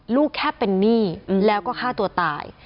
ลูกแค่เป็นหนี้แล้วก็ฆ่าตัวตาย